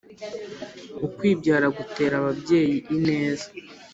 “ukwibyara gutera ababyeyi ineza”